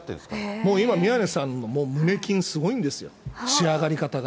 もう今、宮根さんの胸筋すごいんですよ、仕上がり方が。